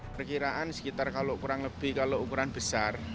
perkiraan sekitar kalau ukuran besar